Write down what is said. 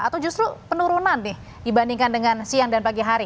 atau justru penurunan nih dibandingkan dengan siang dan pagi hari